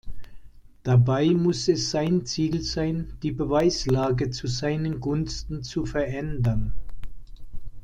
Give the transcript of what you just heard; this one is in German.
Dabei muss es sein Ziel sein, die Beweislage zu seinen Gunsten zu verändern.